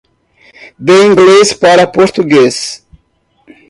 De Inglês para Português.